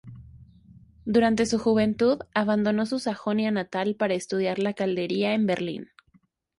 Durante su juventud abandonó su Sajonia natal para estudiar la calderería en Berlín.